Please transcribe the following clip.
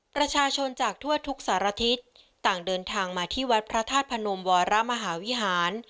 ประชาชนจากทั่วทุกสารทิศต่างเดินทางมาที่วัดพระธาตุพนมวรมหาวิหาร